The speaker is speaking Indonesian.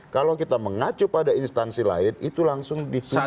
kalau kita mengacu pada instansi lain itu langsung dihitung